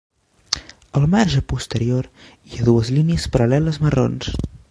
El marge posterior hi ha dues línies paral·leles marrons.